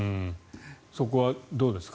そこはどうですか？